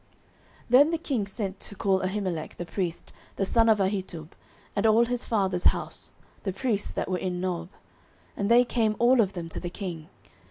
09:022:011 Then the king sent to call Ahimelech the priest, the son of Ahitub, and all his father's house, the priests that were in Nob: and they came all of them to the king.